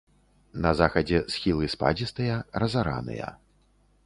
На захадзе схілы спадзістыя, разараныя.